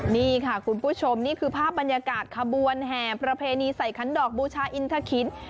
นี่ค่ะคุณผู้ชมนี่คือภาพบรรยากาศขบวนแห่ประเพณีใส่ขันดอกบูชาอินทะคิน